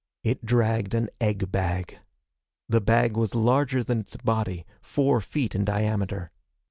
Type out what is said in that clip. It dragged an egg bag. The bag was larger than its body, four feet in diameter.